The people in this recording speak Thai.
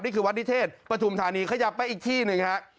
นี่คือวัดนิเทศปฐุมฐานีขยับไปอีกที่นึงเองครับ